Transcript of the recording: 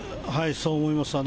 そう思います。